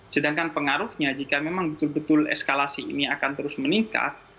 sedangkan pengaruhnya jika memang betul betul eskalasi ini akan terus meningkat